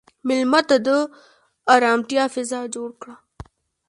مېلمه ته د ارامتیا فضا جوړ کړه.